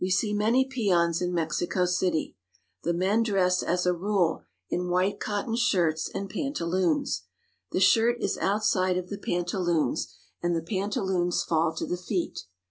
We see many peons in Mexico city. The men dress, as a rule, in white cotton shirts and pantaloons. The shirt is outside of the pantaloons, and the pantaloons fall to the feet.